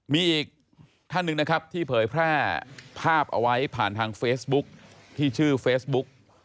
มีอีกท่านหนึ่งนะครับที่เผยแพร่ภาพเอาไว้ผ่านทางเฟซบุ๊คที่ชื่อเฟซบุ๊ก